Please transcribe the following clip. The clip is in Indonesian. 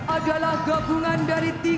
adalah gabungan dari